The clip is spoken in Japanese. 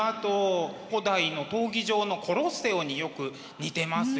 古代の闘技場のコロッセオによく似てますよね。